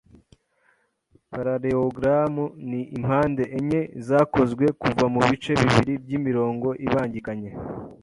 Paralleogramu ni impande enye zakozwe kuva mubice bibiri byimirongo ibangikanye.